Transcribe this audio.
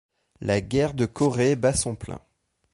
La guerre de Corée bat son plein.